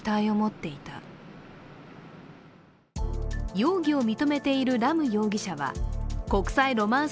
容疑を認めているラム容疑者は国際ロマンス